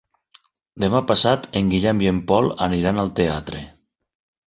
Demà passat en Guillem i en Pol aniran al teatre.